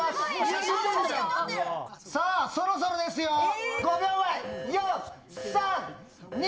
さあ、そろそろですよ。